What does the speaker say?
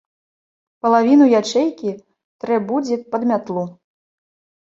Палавіну ячэйкі трэ будзе пад мятлу.